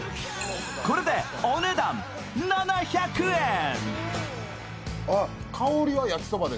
これで、お値段７００円！